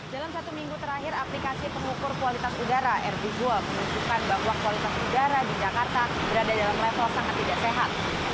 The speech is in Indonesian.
dalam satu minggu terakhir aplikasi pengukur kualitas udara r dua menunjukkan bahwa kualitas udara di jakarta berada dalam level sangat tidak sehat